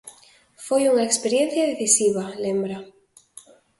"Foi unha experiencia decisiva", lembra.